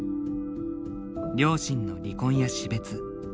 両親の離婚や死別。